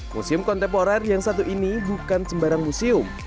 museum kontemporer yang satu ini bukan sembarang museum